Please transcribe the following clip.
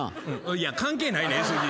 いや関係ないねん。